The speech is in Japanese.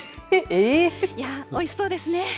おいしそうですね。